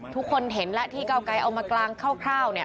ทุกคนเห็นแล้วที่เก่ามักรางเข้าเนี่ย